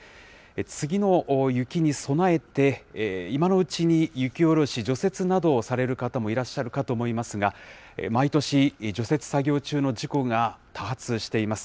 次の雪に備えて、今のうちに雪下ろし、除雪などをされる方もいらっしゃるかと思いますが、毎年、除雪作業中の事故が多発しています。